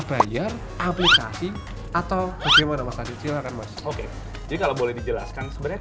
bayar aplikasi atau bagaimana masa kecil kan mas oke jadi kalau boleh dijelaskan sebenarnya